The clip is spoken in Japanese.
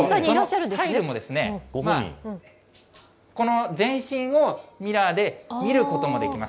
スタイルも、この全身をミラーで見ることもできます。